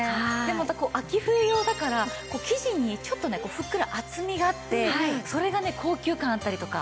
また秋冬用だから生地にちょっとねふっくら厚みがあってそれがね高級感あったりとか。